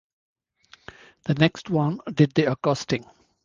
The next one did the accosting.